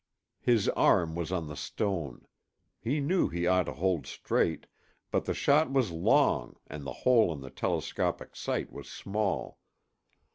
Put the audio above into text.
His arm was on the stone; he knew he ought to hold straight, but the shot was long and the hole in the telescopic sight was small.